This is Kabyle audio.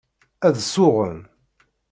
Ad suɣen.